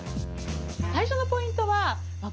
最初のポイントはまあ